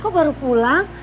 kok baru pulang